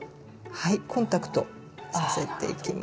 はいコンタクトさせていきます。